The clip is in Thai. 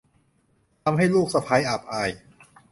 ทำให้ลูกสะใภ้อับอาย